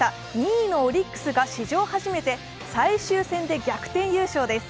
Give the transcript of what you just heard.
２位のオリックスが史上初めて最終戦で逆転優勝です。